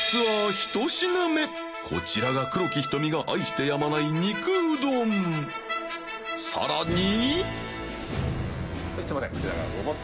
１品目こちらが黒木瞳が愛してやまない肉うどん更に要介）